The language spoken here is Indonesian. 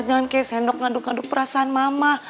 jangan kayak sendok ngaduk ngaduk perasaan mama